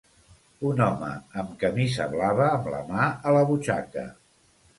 Un home amb camisa blava amb la mà a la butxaca.